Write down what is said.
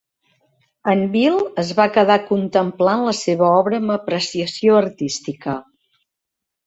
En Bill es va quedar contemplant la seva obra amb apreciació artística.